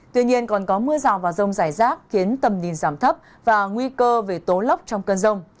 tuy nhiên còn có mưa rào và rông rải rác khiến tầm nhìn giảm thấp và nguy cơ về tố lốc trong cơn rông